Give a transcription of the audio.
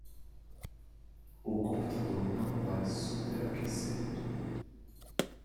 O computador não vai superaquecer